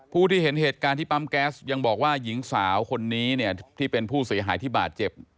ผู้ที่เห็นเหตุการณ์ที่ปั๊มแก๊สยังบอกว่าหญิงสาวคนนี้เนี่ยที่เป็นผู้เสียหายที่บาดเจ็บ